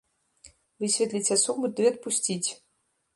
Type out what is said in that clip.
Высветліць асобу ды адпусціць.